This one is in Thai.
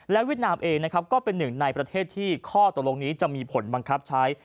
เวียดนามเองนะครับก็เป็นหนึ่งในประเทศที่ข้อตกลงนี้จะมีผลบังคับใช้